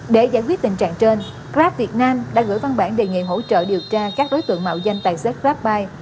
để giải quyết tình trạng trên grab việt nam đã gửi văn bản đề nghị hỗ trợ điều tra các đối tượng mạo danh tài xế grabbuy